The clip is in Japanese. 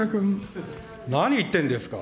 何言ってるんですか。